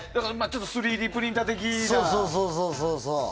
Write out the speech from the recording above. ３Ｄプリンター的な。